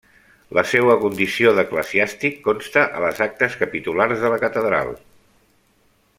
La seua condició d'eclesiàstic consta a les Actes Capitulars de la Catedral.